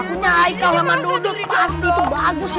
punya aika sama dodot pasti itu bagus ya